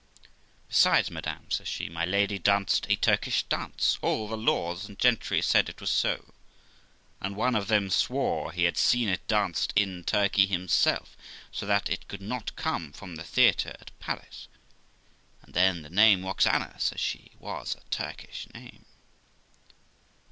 Besides, madam', says she, 'my lady danced a Turkish dance; all the lords and gentry said it was so ; and one of them swore he had seen it danced in Turkey himself, so that it could not come from the theatre at Paris; and then the name Roxana', says she, 'was a Turkish name.'